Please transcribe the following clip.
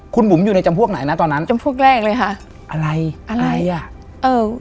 คุณบุ๋มอยู่ในจำพวกไหนนะตอนนั้นอะไรอ่ะอะไร